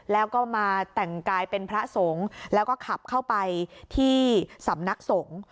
แล้วก็มาแต่งกายเป็นพระสงฆ์แล้วก็ขับเข้าไปที่สำนักสงฆ์